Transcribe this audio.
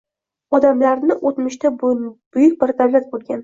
Odamlarni oʻtmishda buyuk bir davlat boʻlgan